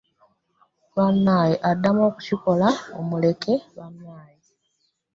Abaneya Adamu okukikola mumuleke bannange .